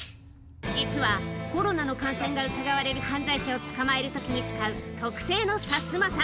実はコロナの感染が疑われる犯罪者を捕まえる時に使う特製のさすまた